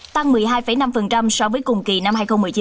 tăng một mươi hai năm so với cùng kỳ năm hai nghìn một mươi chín